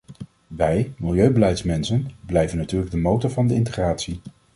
Wij, milieubeleidsmensen, blijven natuurlijk de motor van de integratie.